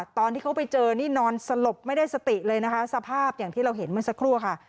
ตอนที่เขาไปเจอนี่นอนสลบไม่ได้สติเลยนะคะสภาพอย่างที่เราเห็นเมื่อสักครู่ค่ะ